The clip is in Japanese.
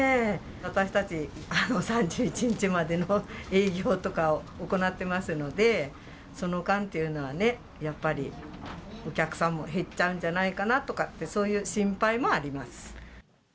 私たち、３１日までの営業とかを行ってますので、その間っていうのはね、やっぱりお客さんも減っちゃうんじゃないのかなって、そういう心配もあります。